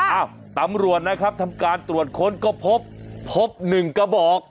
อ้าวตำรวจนะครับทำการตรวจค้นก็พบพบ๑กระบอก